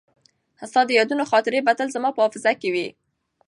ستا د یادونو خاطرې به تل زما په حافظه کې وي.